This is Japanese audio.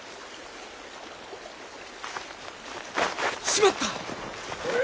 しまった！